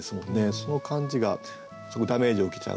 その感じがすごくダメージを受けちゃうわけですよね。